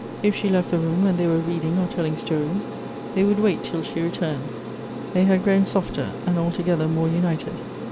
If she left the room when they were reading or telling stories, they would wait till she returned. They had grown softer and altogether more united.